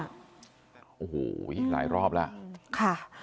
โอ้โหหลายรอบแล้วค่ะ